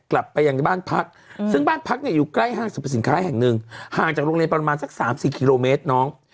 กลับไปยังบ้านพักซึ่งบ้านพักเนี่ยอยู่ใกล้ห้างสรรพสินค้าแห่งหนึ่งห่างจากโรงเรียนประมาณสัก๓๔กิโลเมตรน้อง